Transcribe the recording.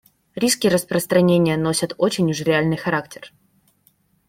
Риски распространения носят очень уж реальный характер.